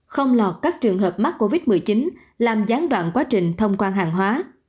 không lọt các trường hợp mắc covid một mươi chín làm gián đoạn quá trình thông quan hàng hóa